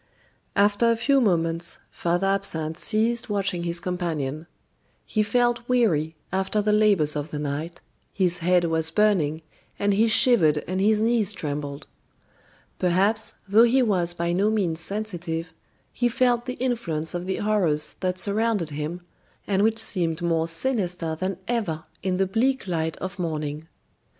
After a few moments, Father Absinthe ceased watching his companion. He felt weary after the labors of the night, his head was burning, and he shivered and his knees trembled. Perhaps, though he was by no means sensitive, he felt the influence of the horrors that surrounded him, and which seemed more sinister than ever in the bleak light of morning.